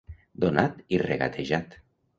Donat i regatejat.